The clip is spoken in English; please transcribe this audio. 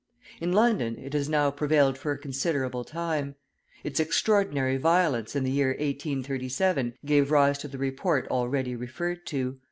In London it has now prevailed for a considerable time; its extraordinary violence in the year 1837 gave rise to the report already referred to.